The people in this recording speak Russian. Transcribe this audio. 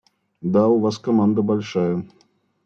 – Да у вас команда большая.